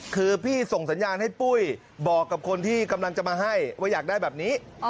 คือพี่ส่งสัญญาณให้ปุ้ยบอกกับคนที่กำลังจะมาให้ว่าอยากได้แบบนี้